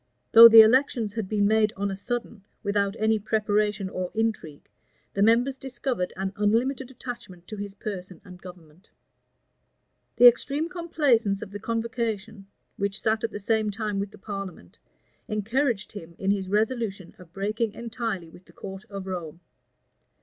Though the elections had been made on a sudden, without any preparation or intrigue, the members discovered an unlimited attachment to his person and government.[] * 28 Henry VIII. c. 10. Burnet, vol. i. p. 213. The extreme complaisance of the convocation, which sat at the same time with the parliament, encouraged him in his resolution of breaking entirely with the court of Rome.